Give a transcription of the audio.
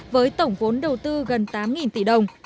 với tổng vốn đầu tư gần tám tỷ đồng